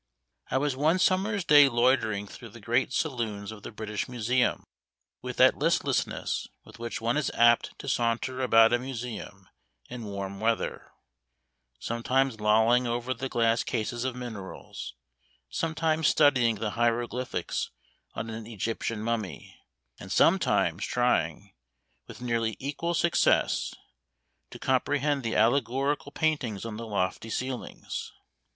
I was one summer's day loitering through the great saloons of the British Museum, with that listlessness with which one is apt to saunter about a museum in warm weather; sometimes lolling over the glass cases of minerals, sometimes studying the hieroglyphics on an Egyptian mummy, and some times trying, with nearly equal success, to comprehend the allegorical paintings on the lofty ceilings.